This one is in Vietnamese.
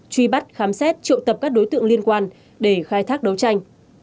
truy bắt khám xét triệu tập các đối tượng liên quan để khai thác đấu tranh